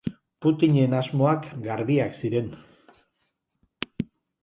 Putinen asmoak garbiak ziren.